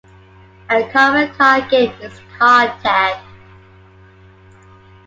A common car game is car tag.